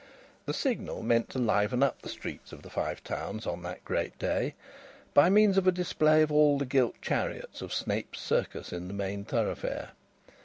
The Signal meant to liven up the streets of the Five Towns on that great day by means of a display of all the gilt chariots of Snape's Circus in the main thoroughfare.